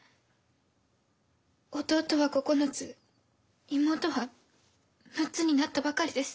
弟は９つ妹は６つになったばかりです。